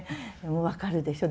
分かるでしょう？